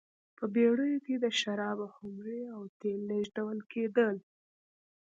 په بېړیو کې د شرابو خُمرې او تېل لېږدول کېدل.